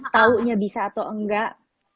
tahunya bisa atau enggak